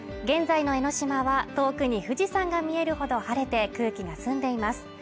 現在の江の島は遠くに富士山が見えるほど晴れて空気が澄んでいます